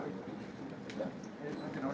anginny dilihat angin itu tadi